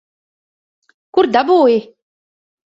Kur dabūji?